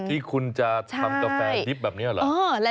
ที่คุณจะทำกาแฟดริปแบบนี้หรือ